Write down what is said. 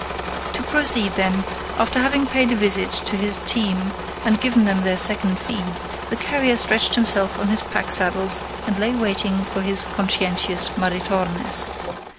To proceed, then: after having paid a visit to his team and given them their second feed, the carrier stretched himself on his pack saddles and lay waiting for his conscientious Maritornes.